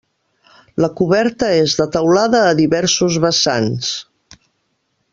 La coberta és de teulada a diversos vessants.